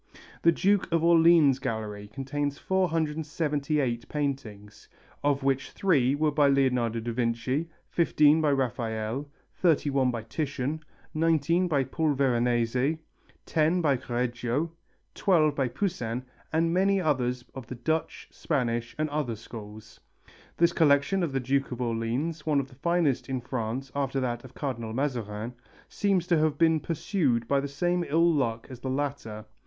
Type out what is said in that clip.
The Duke of Orleans' gallery includes 478 paintings, of which three were by Leonardo da Vinci, 15 by Raphael, 31 by Titian, 19 by Paul Veronese, 10 by Correggio, 12 by Poussin, and many others of the Dutch, Spanish and other schools. This collection of the Duke of Orleans, one of the finest in France after that of Cardinal Mazarin, seems to have been pursued by the same ill luck as the latter.